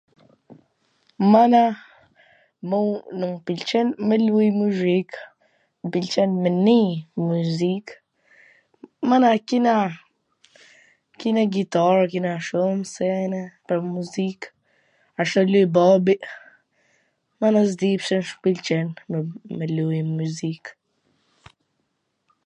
Mana, mu mw pwlqen me luj muzik, mw pwlqen me nii muzik, mana kena kena gitar kena shum sene pwr muzik, asht tu luj babi, mana s di pse m pwlqen me luj muzik.